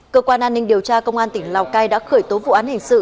cơ quan an ninh điều tra công an tỉnh lào cai đã khởi tố vụ án hình sự